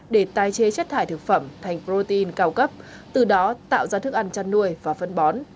để tái chế chất thải thực phẩm thành protein cao cấp từ đó tạo ra thức ăn chăn nuôi và phân bón